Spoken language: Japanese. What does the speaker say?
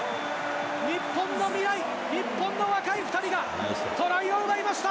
日本の未来、日本の若い２人が、トライを奪いました。